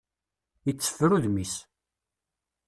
Iteffer udem-is.